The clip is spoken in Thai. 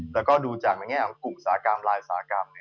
แล้วก็ดูจากในแง่ของกลุ่มอุตสาหกรรมลายอุตสาหกรรม